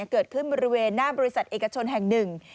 เกิดขึ้นบริเวณหน้าบริษัทเอกชนแห่งหนึ่ง